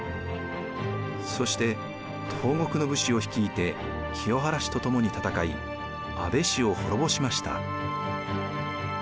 そして東国の武士を率いて清原氏と共に戦い安倍氏を滅ぼしました。